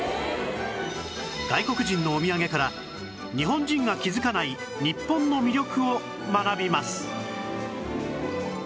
外国人のお土産から日本人が気づかない日本の魅力を学びます